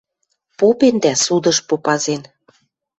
Попен дӓ судыш попазен.